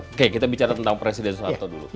oke kita bicara tentang presiden soeharto dulu